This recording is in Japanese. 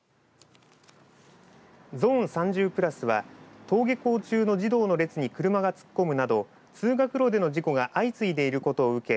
ゾーン３０プラスは登下校中の児童の列に車が突っ込むなど通学路での事故が相次いでいることを受け